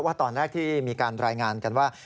ว่าตอนแรกที่มีการรายงานกันว่า